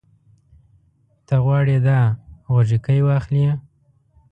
ته غواړې دا غوږيکې واخلې؟